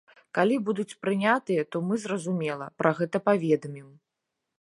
Калі будуць прынятыя, то мы, зразумела, пра гэта паведамім.